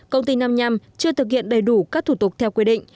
công ty nằm nhằm chưa thực hiện đầy đủ các thủ tục theo quy định